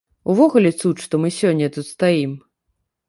Увогуле цуд, што мы сёння тут стаім.